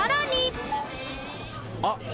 あっ。